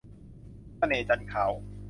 เสน่ห์จันทร์ขาว